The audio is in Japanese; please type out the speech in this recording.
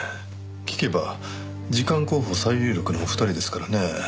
聞けば次官候補最有力のお二人ですからね。